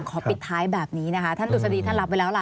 ขอปิดท้ายแบบนี้ท่านดูซาดีท่านรับไว้แล้ว